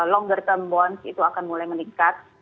longer term bonds itu akan mulai meningkat